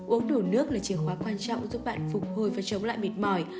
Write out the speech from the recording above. uống đủ nước là chìa khóa quan trọng giúp bạn phục hồi và chống lại mệt mỏi